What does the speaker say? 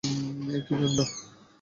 এ কী কাণ্ড?